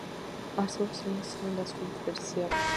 არსებობს სინგლის სამი განსხვავებული ვერსია.